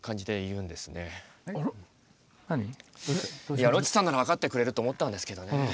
いやロッチさんなら分かってくれると思ったんですけどね。